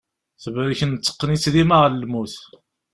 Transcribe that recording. Tebrek netteqqen-itt dima ɣer lmut.